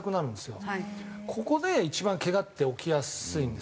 ここで一番けがって起きやすいんですね。